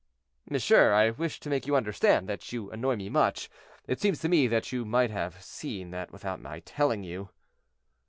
"Monsieur, I wish to make you understand that you annoy me much. It seems to me that you might have seen that without my telling you."